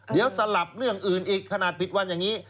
เดี๋ยวสลับเรื่องอื่นอีกขนาดผิดวันอย่างนี้